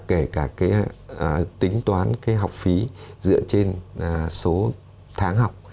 kể cả cái tính toán cái học phí dựa trên số tháng học